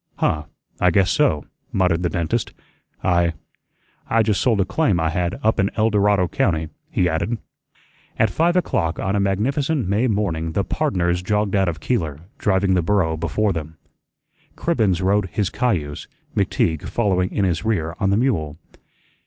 "Huh, I guess so," muttered the dentist. "I I just sold a claim I had up in El Dorado County," he added. At five o'clock on a magnificent May morning the "pardners" jogged out of Keeler, driving the burro before them. Cribbens rode his cayuse, McTeague following in his rear on the mule.